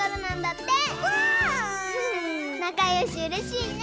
なかよしうれしいね！